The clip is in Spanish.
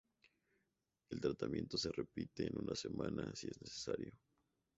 El tratamiento se repite en una semana, si es necesario.